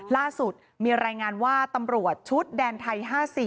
ล่าสุดมีรายงานว่าตำรวจชุดแดนไทย๕๔